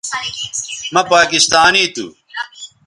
مہ پاکستانی تھو